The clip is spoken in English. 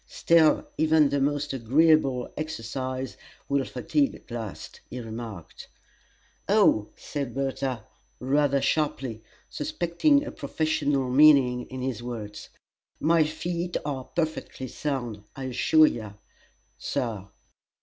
"Still, even the most agreeable exercise will fatigue at last," he remarked. "Oh," said Bertha, rather sharply, suspecting a professional meaning in his words, "my feet are perfectly sound, I assure you, Sir!"